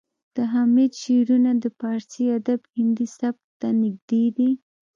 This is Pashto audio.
د حمید شعرونه د پارسي ادب هندي سبک ته نږدې دي